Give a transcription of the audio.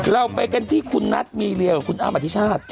เราไปกันที่คุณนัทมีเรียกับคุณอ้ำอธิชาติ